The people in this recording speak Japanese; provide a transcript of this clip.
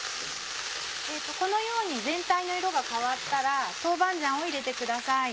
このように全体の色が変わったら豆板醤を入れてください。